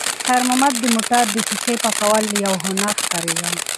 خیر محمد ته د موټر د ښیښې پاکول یو هنر ښکارېده.